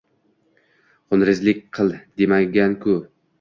Xunrezlik qil demagan-ku